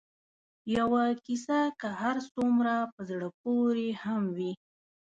یوه کیسه که هر څومره په زړه پورې هم وي